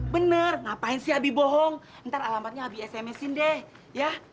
bener ngapain sih abi bohong ntar alamatnya abi sms in deh ya